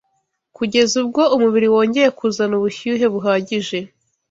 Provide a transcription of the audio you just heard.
kugeza ubwo umubiri wongeye kuzana ubushyuhe buhagije